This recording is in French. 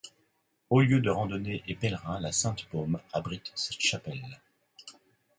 Haut lieu de randonnée et pèlerins, la Sainte Baume abrite cette chapelle.